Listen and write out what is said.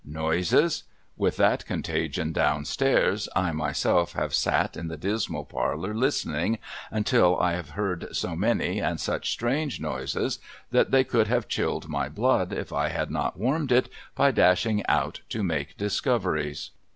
Noises ? ^Vith that contagion down stairs, I myself have sat in the dismal parlour, listening, until I have heard so many and such strange noises, that they would have chilled my blood if I had not warmed it by dashing out to make discoveries.